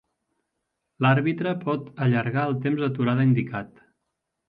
L'àrbitre pot allargar el temps d'aturada indicat.